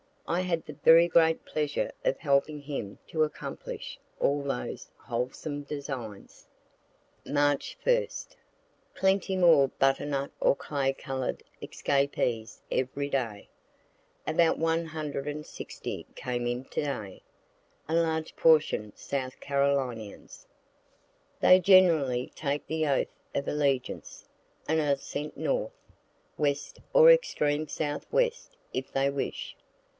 I had the very great pleasure of helping him to accomplish all those wholesome designs. March 1st. Plenty more butternut or clay color'd escapees every day. About 160 came in to day, a large portion South Carolinians. They generally take the oath of allegiance, and are sent north, west, or extreme south west if they wish.